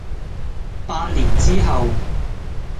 百年之後